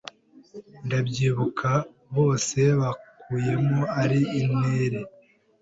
Ndabyibuka bose babakuyemo ari intere